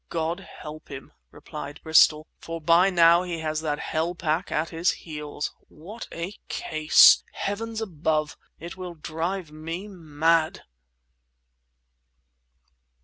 "God help him!" replied Bristol. "For by now he has that hell pack at his heels! What a case! Heavens above, it will drive me mad!"